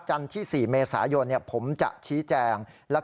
เพราะว่ามีทีมนี้ก็ตีความกันไปเยอะเลยนะครับ